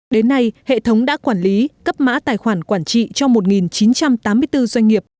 đến nay hệ thống đã quản lý cấp mã tài khoản quản trị cho một chín trăm tám mươi bốn doanh nghiệp